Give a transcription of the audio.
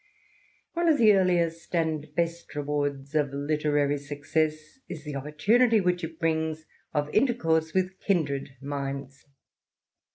One of the earliest and best rewards of literary success is the opportunity which it brings of intercourse with kindred minds.